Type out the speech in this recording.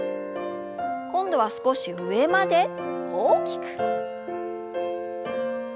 今度は少し上まで大きく。